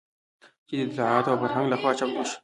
چې د اطلاعاتو او فرهنګ لخوا چمتو شوى